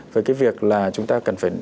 với cái việc là chúng ta cần phải